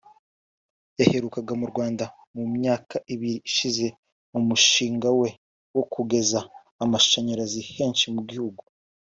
yaherukaga mu Rwanda mu myaka ibiri ishize mu mushinga we wo kugeza amashanyarazi henshi mu gihugu